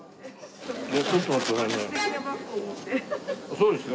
そうですか？